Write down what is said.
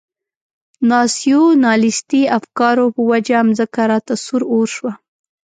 ناسیونالیستي افکارو په وجه مځکه راته سور اور شوه.